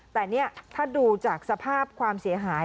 แต่นี่ถ้าดูจากสภาพความเสียหาย